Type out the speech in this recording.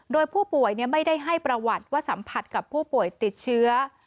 โดยผู้ป่วยไม่ได้ให้ประวัติว่าสัมผัสกับผู้ป่วยติดเชื้อ